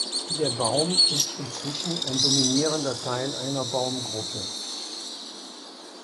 Der Baum ist inzwischen ein dominierender Teil einer Baumgruppe.